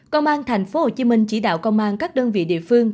công an tp hcm chỉ đạo công an các đơn vị địa phương